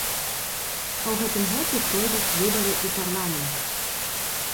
А ў гэтым годзе пройдуць выбары ў парламент.